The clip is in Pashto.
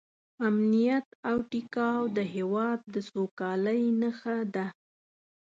امنیت او ټیکاو د هېواد د سوکالۍ نښه ده.